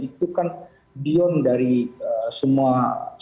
itu kan beyond dari semua